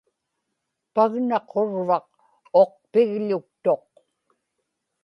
pagna qurvaq uqpigḷuktuq